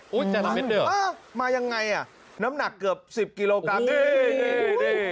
อุ้ยเจรมเม็ดด้วยเหรอมายังไงอ่ะน้ำหนักเกือบสิบกิโลกรัมนี่นี่นี่